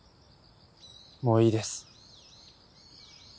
もういいです。